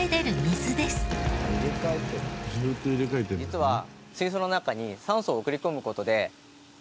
実は。